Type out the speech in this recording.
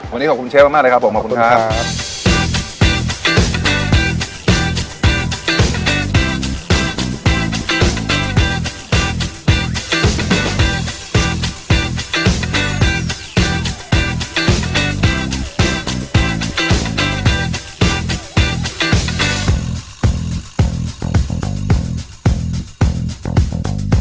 วันนี้ขอบคุณเชฟมากเลยครับผมขอบคุณครับ